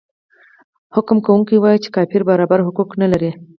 حکم کوونکی وايي چې کافر برابر حقوق نلري.